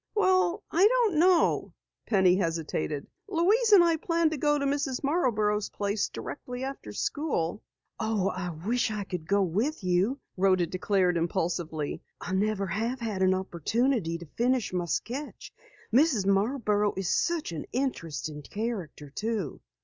"Well, I don't know," Penny hesitated. "Louise and I plan to go to Mrs. Marborough's place directly after school " "Oh, I wish I could go with you!" Rhoda declared impulsively. "I never have had an opportunity to finish my sketch. Mrs. Marborough is such an interesting character, too."